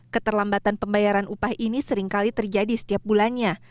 keterlambatan pembayaran upah ini seringkali terjadi setiap bulannya